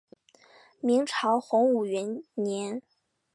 明朝洪武元年。